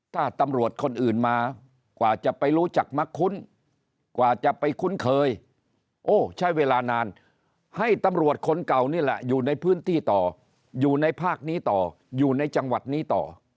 ถ้าตำรวจคนอื่นมากว่าจะไปรู้จักมักคุ้นกว่าจะไปคุ้นเคยโอ้ใช้เวลานานให้ตำรวจคนเก่านี่แหละอยู่ในพื้นที่ต่ออยู่ในภาคนี้ต่ออยู่ในจังหวัดนี้ต่อ